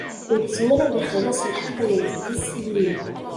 Ur izmir ad ixelleṣ lḥeqq n lefdi-s i Yillu.